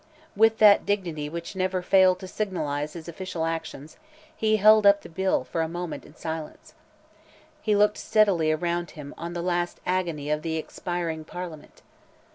With that dignity which never failed to signalize his official actions, he held up the bill for a moment in silence. He looked steadily around him on the last agony of the expiring Parliament.